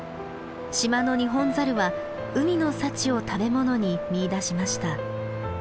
島のニホンザルは海の幸を食べ物に見いだしました。